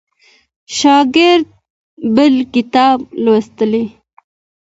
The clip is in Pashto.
شاګرد بل کتاب لوستی.